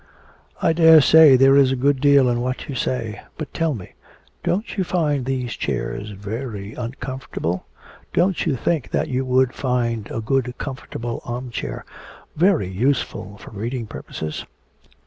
'I daresay there is a good deal in what you say; but tell me, don't you find these chairs very uncomfortable? Don't you think that you would find a good comfortable arm chair very useful for reading purposes?'